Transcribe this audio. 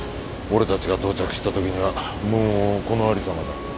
俺たちが到着したときにはもうこのありさまだ。